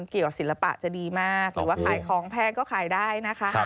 ศิลปะจะดีมากหรือว่าขายของแพงก็ขายได้นะคะ